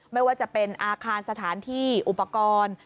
ไม่ว่าจะเป็นอาคารสถานที่อุปกรณ์